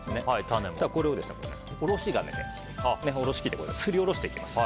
これをおろし金ですりおろしていきます。